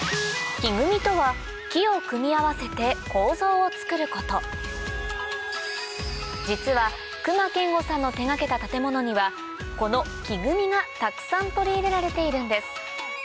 木組みとは木を組み合わせて構造を造ること実は隈研吾さんの手掛けた建物にはこの木組みがたくさん取り入れられているんです